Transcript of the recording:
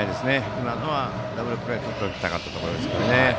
今のはダブルプレーとっておきたいところでしたね。